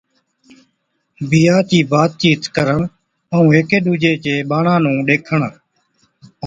بِيھا چِي بات چِيت ڪرڻ ائُون ھيڪي ڏُوجي چي ٻاڙان نُون ڏيکَڻ